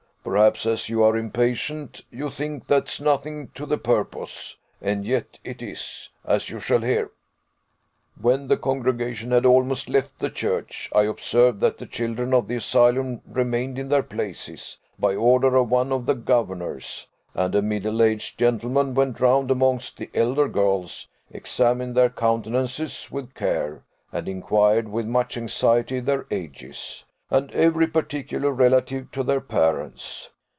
Perhaps, as you are impatient, you think that's nothing to the purpose; and yet it is, as you shall hear. When the congregation had almost left the church, I observed that the children of the Asylum remained in their places, by order of one of the governors; and a middle aged gentleman went round amongst the elder girls, examined their countenances with care, and inquired with much anxiety their ages, and every particular relative to their parents.